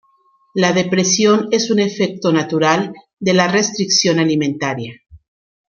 La depresión es un efecto natural de la restricción alimentaria.